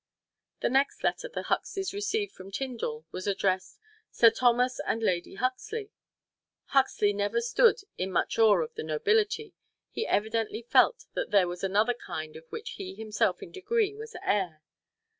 The next letter the Huxleys received from Tyndall was addressed, "Sir Thomas and Lady Huxley." Huxley never stood in much awe of the nobility; he evidently felt that there was another kind of which he himself in degree was heir.